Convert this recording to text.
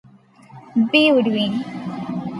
B would win.